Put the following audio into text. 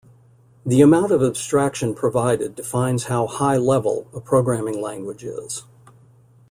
The amount of abstraction provided defines how "high-level" a programming language is.